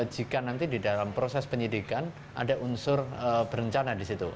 jika nanti di dalam proses penyidikan ada unsur berencana di situ